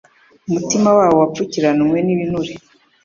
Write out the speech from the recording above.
Umutima wabo wapfukiranywe n’ibinure